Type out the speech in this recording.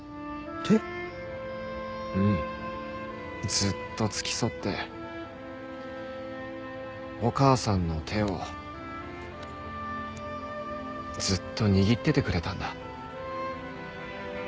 ずっと付き添ってお母さんの手をずっと握っててくれたんだ。